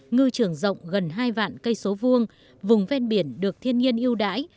ngư trường rộng gần hai vạn cây số vuông vùng ven biển được thiên nhiên yêu đáy